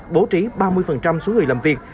bố trí ba mươi số người làm việc